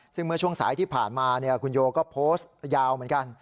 ซึ่งเมื่อช่วงสายที่ผ่านมาคุณโยก็โพสต์ยาวเหมือนกัน